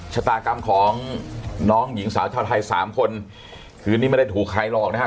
ชะตากรรมของน้องหญิงสาวชาวไทยสามคนคือนี่ไม่ได้ถูกใครหลอกนะฮะ